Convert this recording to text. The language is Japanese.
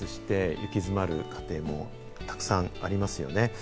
社会から孤立して行き詰まる家庭もたくさんありますよね。